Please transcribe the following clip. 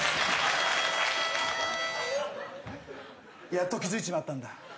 やっと気づいちまったんだ。